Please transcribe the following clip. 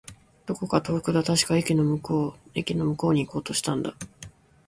どこか遠くだ。確か、駅の向こう。駅の向こうに行こうとしたんだ。